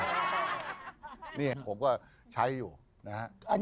นี่ผมก็ใช้อยู่นะฮะ